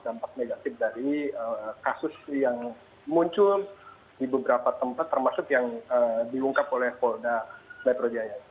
dampak negatif dari kasus yang muncul di beberapa tempat termasuk yang diungkap oleh polda metro jaya